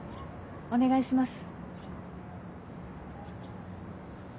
お願いします。